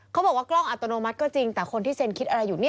บอกว่ากล้องอัตโนมัติก็จริงแต่คนที่เซ็นคิดอะไรอยู่